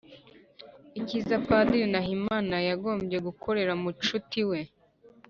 Icyiza Padiri Nahimana yagombye gukorera mucuti we